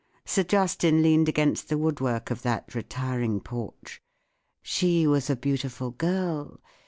Sir Justin leaned against the woodwork of that retiring porch. She was a beautiful girl.